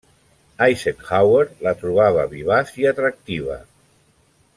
Eisenhower la trobava vivaç i atractiva.